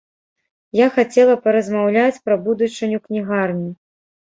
Я хацела паразмаўляць пра будучыню кнігарні.